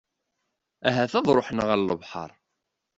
Ahat ad ruḥen ɣer lebḥer.